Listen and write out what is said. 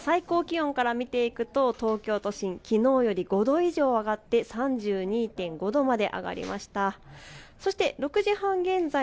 日中の最高気温から見ていくと東京都心きのうより５度以上上がって３２．５度まで上がりました。